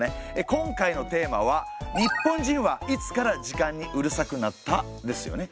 今回のテーマは「日本人はいつから時間にうるさくなった？」ですよね。